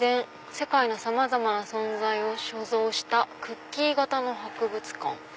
世界の様々な存在を所蔵したクッキー型の博物館」。